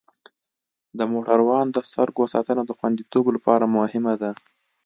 د موټروان د سترګو ساتنه د خوندیتوب لپاره مهمه ده.